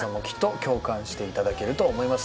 共感していただけると思います。